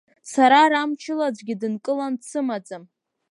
Сара ара мчыла аӡәгьы дынкыланы дсымаӡам.